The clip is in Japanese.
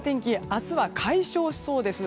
明日は解消しそうです。